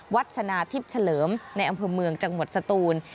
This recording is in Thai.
ชนะทิพย์เฉลิมในอำเภอเมืองจังหวัดสตูน